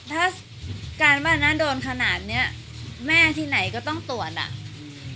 ถ้าการว่าน้าโดนขนาดเนี้ยแม่ที่ไหนก็ต้องตรวจอ่ะอืม